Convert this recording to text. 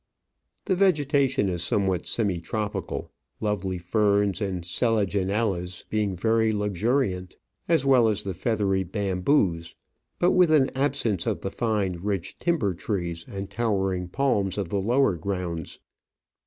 The vegetation is somewhat sem.i tropical, lovely ferns and selaginellas being very luxuriant, as well as the feathery bamboos, but with an absence of the fine, rich timber trees and towering palms of the lower grounds.